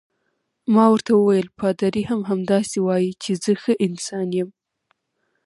ما ورته وویل: پادري هم همداسې وایي چې زه ښه انسان یم.